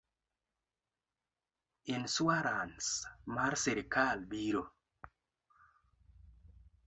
Insuarans mar sirkal biro